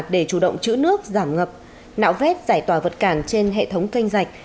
để chủ động chữ nước giảm ngập nạo vét giải tỏa vật cản trên hệ thống kênh rạch